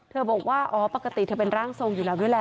บอกว่าอ๋อปกติเธอเป็นร่างทรงอยู่แล้วด้วยแหละ